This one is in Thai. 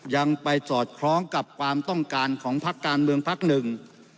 ยังไปสอดคล้องกับความต้องการของพักการเมืองพักหนึ่ง